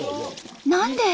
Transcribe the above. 何で？